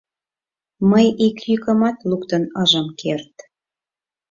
Мый ик йӱкымат луктын ыжым керт.